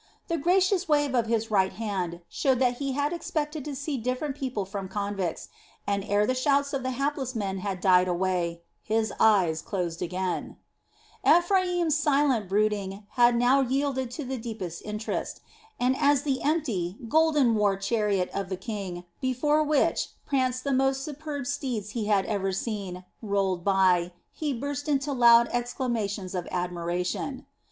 The gracious wave of his right hand showed that he had expected to see different people from convicts and, ere the shouts of the hapless men had died away, his eyes again closed. Ephraim's silent brooding had now yielded to the deepest interest, and as the empty golden war chariot of the king, before which pranced the most superb steeds he had ever seen, rolled by, he burst into loud exclamations of admiration.